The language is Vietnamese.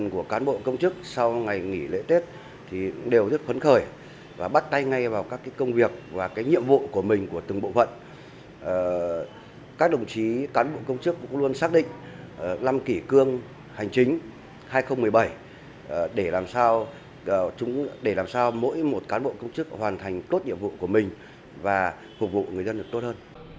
các đồng chí cán bộ công chức cũng luôn xác định năm kỷ cương hành chính hai nghìn một mươi bảy để làm sao mỗi một cán bộ công chức hoàn thành tốt nhiệm vụ của mình và phục vụ người dân được tốt hơn